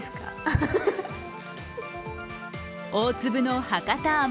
大粒の博多あ